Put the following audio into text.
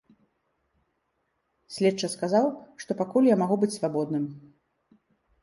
Следчы сказаў, што пакуль я магу быць свабодным.